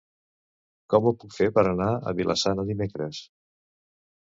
Com ho puc fer per anar a Vila-sana dimecres?